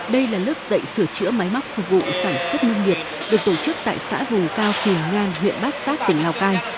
đây là lớp dạy sửa chữa máy móc phục vụ sản xuất nông nghiệp được tổ chức tại xã vùng cao phì ngan huyện bát sát tỉnh lào cai